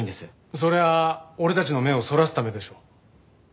そりゃあ俺たちの目をそらすためでしょ。